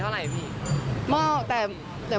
คุณพ้อตีเท่าไหร่อีก